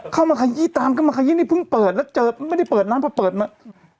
ขยี้ตามเข้ามาขยี้นี่เพิ่งเปิดแล้วเจอไม่ได้เปิดน้ำพอเปิดมา